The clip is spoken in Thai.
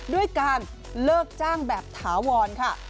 ด้วยการเลิกจ้างแบบถาวรค่ะ